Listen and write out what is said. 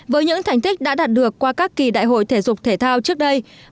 với những thành tích đã đạt được qua các kỳ đại hội thể dục thể thao trước đây